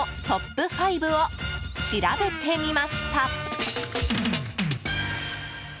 トップ５を調べてみました。